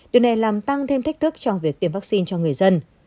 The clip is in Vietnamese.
điều này làm tăng thêm thách thức trong việc tiêm vaccine cho người dân